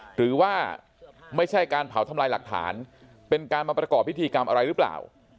หรือว่าไม่ใช่การเผาทำลายหลักฐานเป็นการมาประกอบพิธีกรรมอะไรหรือเปล่า